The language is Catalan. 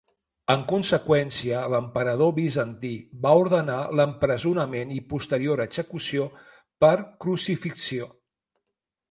En conseqüència, l'emperador bizantí va ordenar l'empresonament i posterior execució per crucifixió.